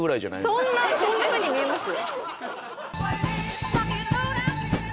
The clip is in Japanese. そんなそんなふうに見えます？